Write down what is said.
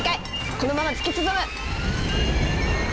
このまま突き進む！